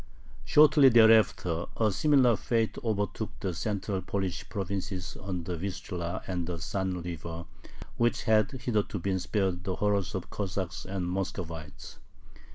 Shortly thereafter a similar fate overtook the central Polish provinces on the Vistula and the San River, which had hitherto been spared the horrors of the Cossacks and Muscovites.